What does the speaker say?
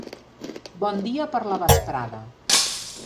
Bon dia per la vesprada.